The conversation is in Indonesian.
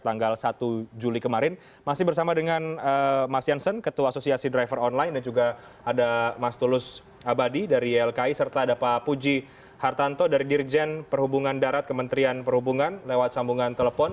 terima kasih mas tulus abadi dari ilki serta ada pak puji hartanto dari dirjen perhubungan darat kementerian perhubungan lewat sambungan telepon